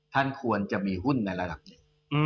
ท่านควรจะมีหุ้นในระดับหนึ่ง